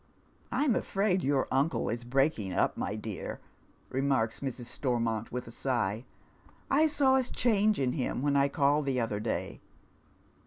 I'm afraid your uncle is breaking up, my dear," remarks Mrs. Stormont with a sigh. " I saw a change in him when I called the other day."